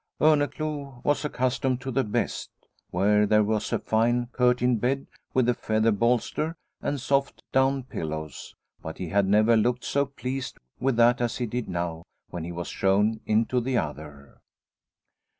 Orneclou was accustomed to the best; where there was a fine curtained bed with a feather bolster and soft down pillows, but he had never looked so pleased with that as he did now when he was shown into the other.